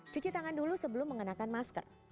cuci tangan dulu sebelum mengenakan masker